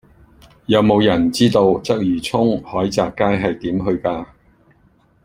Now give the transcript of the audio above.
有無人知道鰂魚涌海澤街係點去㗎